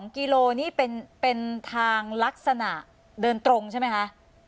กิโลนี่เป็นทางลักษณะเดินตรงใช่ไหมคะ